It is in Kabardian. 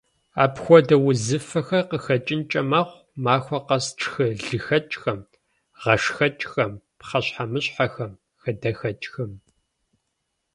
Апхуэдэ узыфэхэр къыхэкӀынкӀэ мэхъу махуэ къэс тшхы лыхэкӀхэм, гъэшхэкӀхэм, пхъэщхьэмыщхьэхэм, хадэхэкӀхэм.